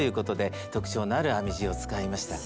スタジオ特徴のある編み地を使いました。